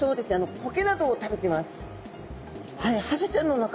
コケなどを食べてます。